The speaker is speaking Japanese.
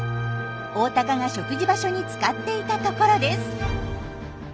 オオタカが食事場所に使っていた所です。